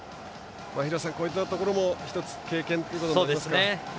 廣瀬さん、こういったところも１つの経験となりますか。